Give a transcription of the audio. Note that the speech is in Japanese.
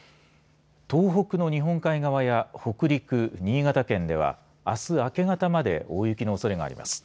東北の日本海側や北陸新潟県では、あす明け方まで大雪のおそれがあります。